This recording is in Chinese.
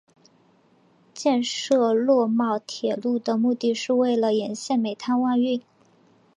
建设洛茂铁路的目的是为了沿线煤炭外运。